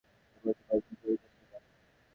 তিনি পত্রিকা সম্পাদনায় জড়িত ছিলেন।